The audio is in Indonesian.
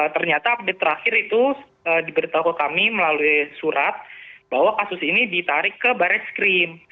ternyata update terakhir itu diberitahu kami melalui surat bahwa kasus ini ditarik ke baris krim